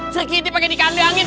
sri giti pakai dikandangin